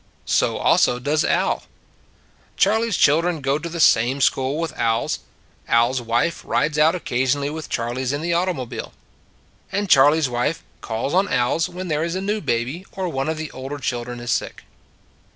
So also does Al. Charley s children go to the same school with Al s. Al s wife rides out occasion ally with Charley s in the automobile. And Charley s wife calls on Al s when there is a new baby, or one of the older children is sick.